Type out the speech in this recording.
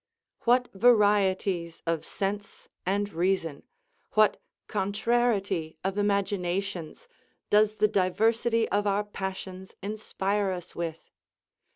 What varieties of sense and reason, what contrariety of imaginations does the diversity of our passions inspire us with!